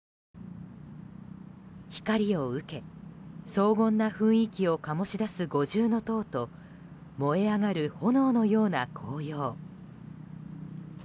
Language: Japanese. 光を受け荘厳な雰囲気を醸し出す五重塔と燃え上がる炎のような紅葉。